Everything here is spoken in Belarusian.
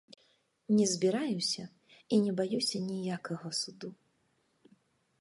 Не збіраюся і не баюся ніякага суду.